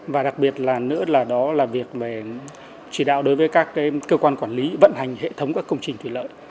và đặc biệt là nữa là đó là việc chỉ đạo đối với các cơ quan quản lý vận hành hệ thống các công trình thủy lợi